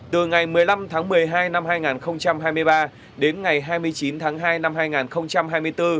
từ ngày một mươi năm tháng một mươi hai năm hai nghìn hai mươi ba đến ngày hai mươi chín tháng hai năm hai nghìn hai mươi bốn